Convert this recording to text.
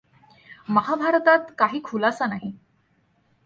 महाभारतात काही खुलासा नाही.